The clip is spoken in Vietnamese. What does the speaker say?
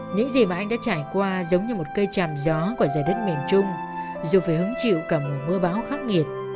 những gì mà anh đã trải qua giống như một cây chàm gió của giời đất miền trung dù phải hứng chịu cả một mưa bão khắc nghiệt